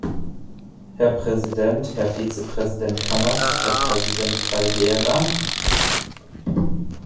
Herr Präsident, Herr Vizepräsident Kallas, Herr Präsident Caldeira!